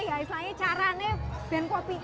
bagaimana cara untuk membuat kopi enak